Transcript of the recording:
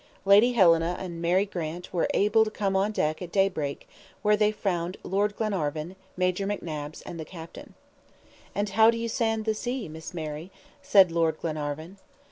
Lady Helena and Mary Grant were able to come on deck at daybreak, where they found Lord Glenarvan, Major McNabbs and the captain. "And how do you stand the sea, Miss Mary?" said Lord Glenarvan.